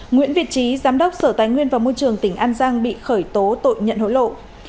nguyễn việt trí giám đốc sở tài nguyên và môi trường tỉnh an giang bị khởi tố tội nhận hối lộ